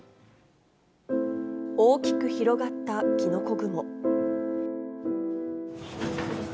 大きく広がったきのこ雲。